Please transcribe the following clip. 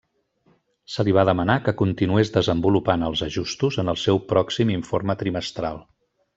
Se li va demanar que continués desenvolupant els ajustos en el seu pròxim informe trimestral.